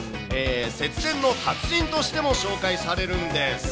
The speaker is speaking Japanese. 節電の達人としても紹介されるんです。